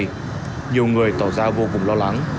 nhiều người tỏ ra vô cùng lo lắng